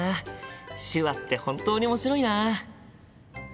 手話って本当に面白いな。